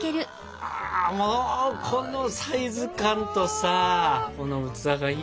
もうこのサイズ感とさこの器がいいよね！